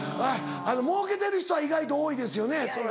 もうけてる人は意外と多いですよねそれ。